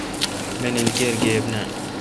مانیل کیر گیب نان۔